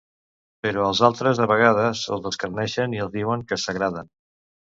Però els altres a vegades els escarneixen i els diuen que s'agraden!